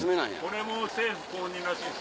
これも政府公認らしいです。